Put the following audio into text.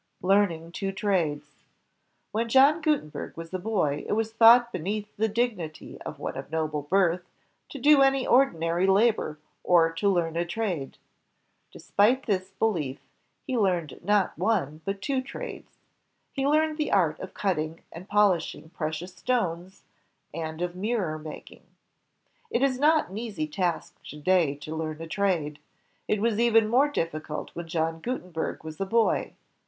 Learning Two Trades When John Gutenberg was a boy, it was thought be neath the dignity of one of noble birth to do any ordi nary labor, or to learn a trade. Despite this belief, he JOHN GUTENBERG 193 learned not one, but two trades. He learned the art of cutting and polishing precious stones, and of mirror making. . It is not an easy task to day to learn a trade. It was even more difficult when John Gutenberg was a boy.